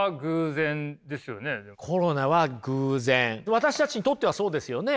私たちにとってはそうですよね。